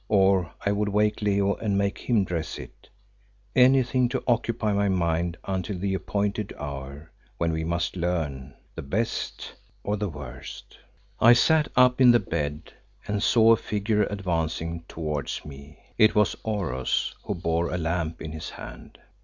Or I would wake Leo and make him dress it anything to occupy my mind until the appointed hour, when we must learn the best or the worst. I sat up in the bed and saw a figure advancing towards me. It was Oros, who bore a lamp in his hand.